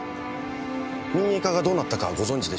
民営化がどうなったかご存じでしょう。